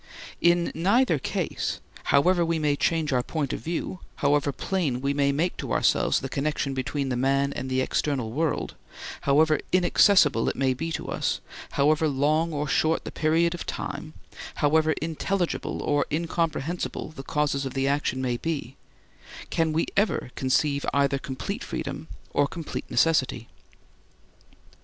In neither case—however we may change our point of view, however plain we may make to ourselves the connection between the man and the external world, however inaccessible it may be to us, however long or short the period of time, however intelligible or incomprehensible the causes of the action may be—can we ever conceive either complete freedom or complete necessity.